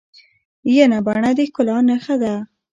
ینه بڼه د ښکلا نخښه ده.